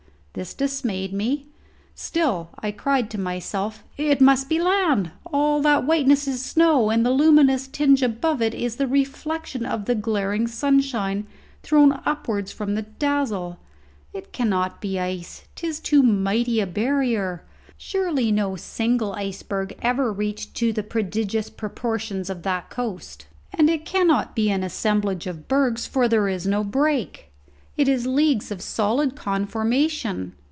This dismayed me. Still I cried to myself, 'It must be land! All that whiteness is snow, and the luminous tinge above it is the reflection of the glaring sunshine thrown upwards from the dazzle. It cannot be ice! 'tis too mighty a barrier. Surely no single iceberg ever reached to the prodigious proportions of that coast. And it cannot be an assemblage of bergs, for there is no break it is leagues of solid conformation.